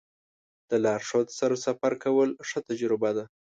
د لارښود سره سفر کول ښه تجربه ده.